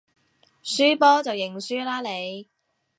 輸波就認輸啦你